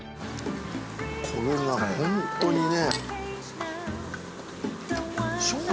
これは本当にね。